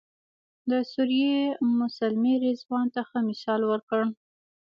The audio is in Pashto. د سوریې ام سلمې رضوان ته ښه مثال ورکړ.